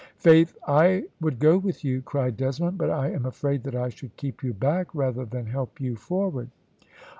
"Faith! I would go with you," cried Desmond, "but I am afraid that I should keep you back rather than help you forward."